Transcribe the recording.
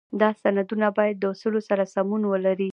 دا سندونه باید د اصولو سره سمون ولري.